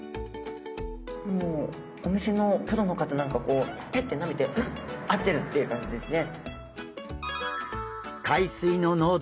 もうお店のプロの方なんかこうペッてなめて「うん！合ってる」っていう感じですね。